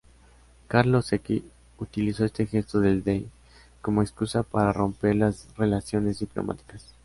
Carlos X utilizó este gesto del dey como excusa para romper las relaciones diplomáticas.